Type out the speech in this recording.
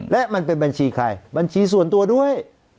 และมันเป็นบัญชีใครบัญชีส่วนตัวด้วย